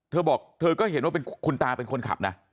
เธอบอกเธอก็เห็นว่าคุณตาเป็นคนขับนะ